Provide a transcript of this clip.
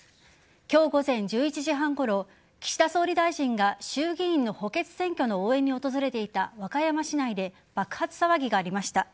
今日午前１１時半ごろ岸田総理大臣が衆議院の補欠選挙の応援に訪れていた和歌山市内で爆発騒ぎがありました。